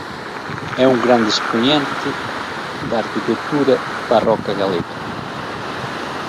É un grande expoñente da arquitectura barroca galega.